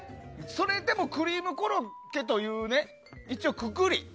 それでもクリームコロッケという一応くくり。